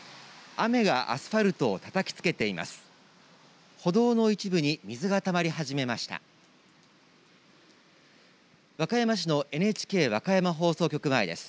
雨がアスファルトをたたきつけています。